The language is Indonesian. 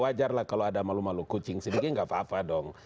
wajar lah kalau ada malu malu kucing sedikit nggak apa apa dong